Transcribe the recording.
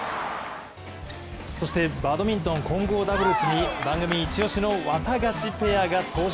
そしてバドミントン混合ダブルスに番組イチオシのワタガシペアが登場。